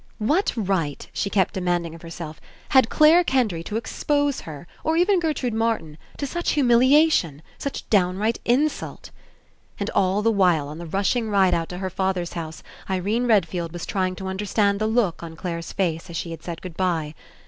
What right, she kept demanding of her self, had Clare Kendry to expose her, or even Gertrude Martin, to such humiliation, such downright Insult? And all the while, on the rushing ride 78 ENCOUNTER out to her father's house, Irene Redfield was trying to understand the look on Clare's face as she had said good bye.